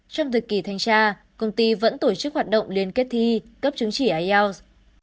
trong thời kỳ thanh tra công ty vẫn tổ chức hoạt động liên kết thi cấp chứng chỉ ielts